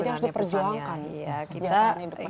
jadi harus diperjuangkan